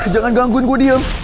jangan gangguin gue diam